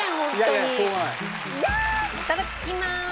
いただきます！